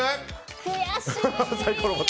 悔しい。